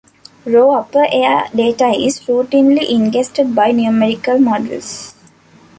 Raw upper air data is routinely ingested by numerical models.